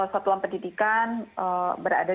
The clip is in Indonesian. satuan pendidikan berada